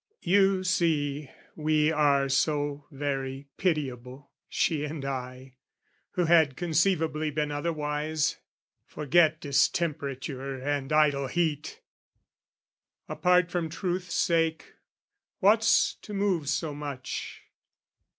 You see, we are So very pitiable, she and I, Who had conceivably been otherwise. Forget distemperature and idle heat! Apart from truth's sake, what's to move so much?